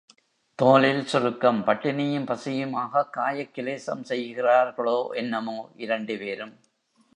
தோலில் சுருக்கம், பட்டினியும், பசியுமாக காயக் கிலேசம் செய்கிறார்களோ என்னமோ, இரண்டுபேரும்!